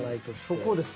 そこです。